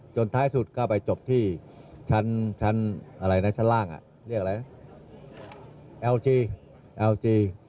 จนท้ายสุดก็ไปจบที่ชั้นล่าง